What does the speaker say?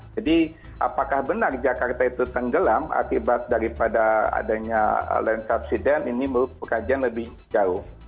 jadi apakah benar jakarta itu tenggelam akibat daripada adanya lensa obsiden ini berkajian lebih jauh